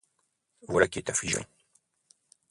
Voilà qui est affligeant.